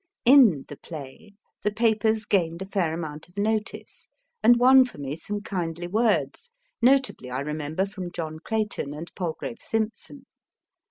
In The Play the papers gained a fair amount of notice, and won for me some kindly words ; notably, I remember, from John Clayton and Palgrave Simpson.